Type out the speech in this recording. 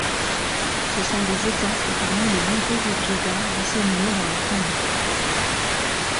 Ce sont des exemples parmi les nombreux objets d'arts disséminés dans la tombe.